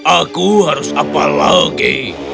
aku harus apa lagi